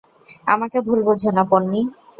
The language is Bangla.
আমাকে ভুল বুঝো না, পোন্নি।